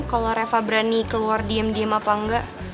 kalau reva berani keluar diem diem apa enggak